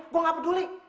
gue gak peduli